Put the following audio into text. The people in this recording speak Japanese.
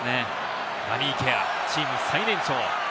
ダニー・ケア、チーム最年長。